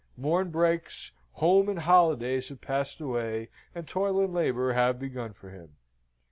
Morn breaks, home and holidays have passed away, and toil and labour have begun for him.